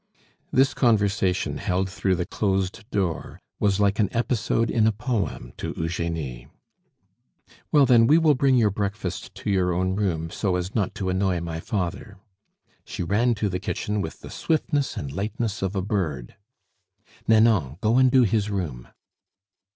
This conversation, held through the closed door, was like an episode in a poem to Eugenie. "Well, then, we will bring your breakfast to your own room, so as not to annoy my father." She ran to the kitchen with the swiftness and lightness of a bird. "Nanon, go and do his room!"